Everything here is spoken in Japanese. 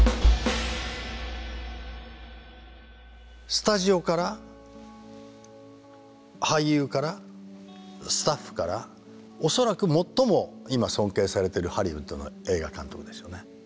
スタジオから俳優からスタッフから恐らく最も今尊敬されてるハリウッドの映画監督ですよね。